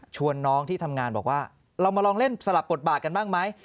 น้องที่ทำงานบอกว่าเรามาลองเล่นสลับบทบาทกันบ้างไหม